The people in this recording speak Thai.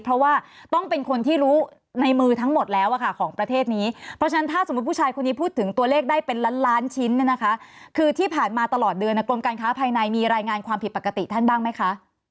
รายงานความผิดปกติท่านบ้างไหมคะ